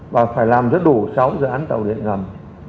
và phải làm rất đủ sáu dự án tàu điện ngầm